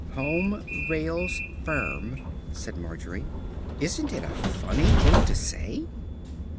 "'Home Rails Firm,'" said Margery. "Isn't it a funny thing to say?"